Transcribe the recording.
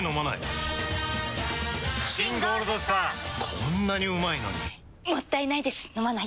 こんなにうまいのにもったいないです、飲まないと。